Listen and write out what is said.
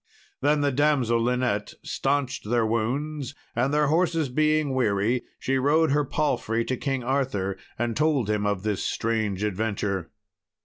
Then the damsel Linet staunched their wounds, and their horses being weary she rode her palfrey to King Arthur and told him of this strange adventure.